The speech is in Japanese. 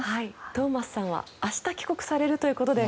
トーマスさんは明日帰国されるということで。